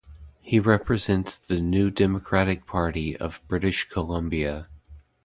He represents the New Democratic Party of British Columbia.